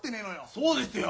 そうですよ！